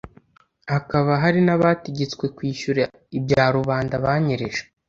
hakaba hari n’abategetswe kwishyura ibya rubanda banyereje